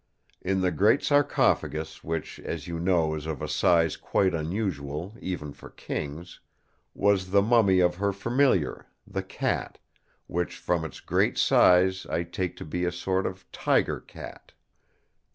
In the great sarcophagus, which as you know is of a size quite unusual even for kings, was the mummy of her Familiar, the cat, which from its great size I take to be a sort of tiger cat.